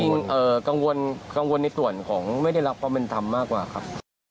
กังวลในส่วนของไม่ได้รับความเป็นธรรมมากกว่าครับ